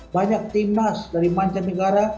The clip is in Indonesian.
banyak timnas dari mancanegara